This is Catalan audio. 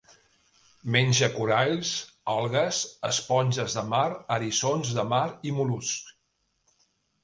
Menja coralls, algues, esponges de mar, eriçons de mar i mol·luscs.